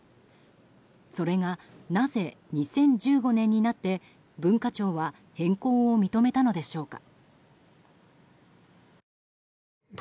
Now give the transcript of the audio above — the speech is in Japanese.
それが、なぜ２０１５年になって文化庁は変更を認めたのでしょうか。